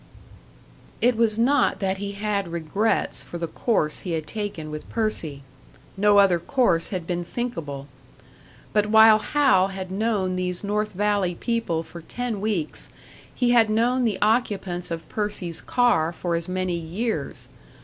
It was not that he had regrets for the course he had taken with Percy. No other course had been thinkable. But while Hal had known these North Valley people for ten weeks, he had known the occupants of Percy's car for as many years.